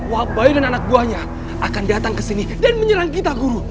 wabayau dan anak buahnya akan datang kesini dan menyerang kita guru